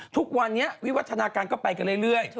ทุกวันนี้วิวัฒนาการก็ไปกันเรื่อย